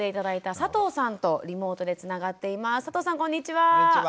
佐藤さんこんにちは。